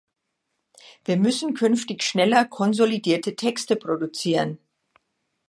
Wir müssen künftig schneller konsolidierte Texte produzieren.